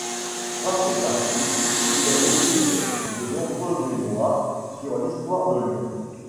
Grâce aux archives, il rédige de nombreux mémoires sur l'histoire de Lyon.